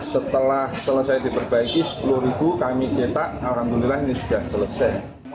setelah selesai diperbaiki sepuluh ribu kami cetak alhamdulillah ini sudah selesai